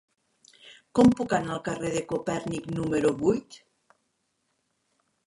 Com puc anar al carrer de Copèrnic número vuit?